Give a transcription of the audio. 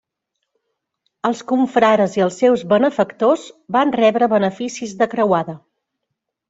Els confrares i els seus benefactors van rebre beneficis de creuada.